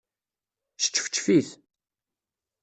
Sčefčef-it.